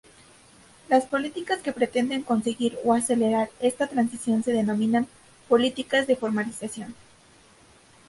Las políticas que pretenden conseguir o acelerar esta transición se denominan "políticas de formalización".